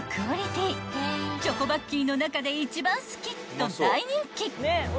［と大人気］